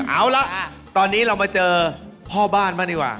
เอาละตอนนี้เรามาเจอพ่อบ้านบ้างดีกว่า